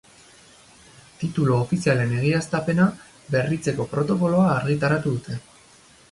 Titulu ofizialen Egiaztapena Berritzeko Protokoloa argitaratu dute.